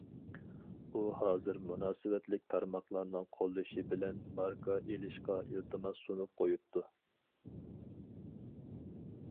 ئۇ ھازىر مۇناسىۋەتلىك تارماقلارنىڭ قوللىشى بىلەن، ماركا ئېلىشقا ئىلتىماس سۇنۇپ قويۇپتۇ.